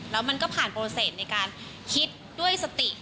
แล้วมันก็ผ่านโปรเศษในการคิดด้วยสติ